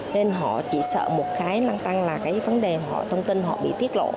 nên họ chỉ sợ một cái năng tăng là cái vấn đề thông tin họ bị tiết lộ